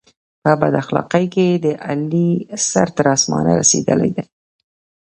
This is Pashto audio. په بد اخلاقی کې د علي سر تر اسمانه رسېدلی دی.